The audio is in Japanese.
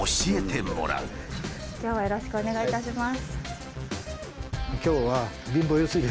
今日はよろしくお願いいたします。